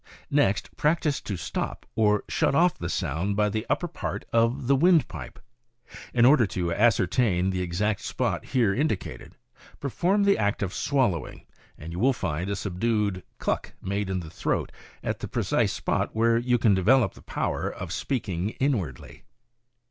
Next, practice to stop, or shut off the sound by the upper part of the windpipe. In order to ascertain the exact spot here indi cated, perform the act of swallowing and you will find a subdued "cluck 1 ' made in the throat at the precise spot where you can develop the power of speaking inwardly.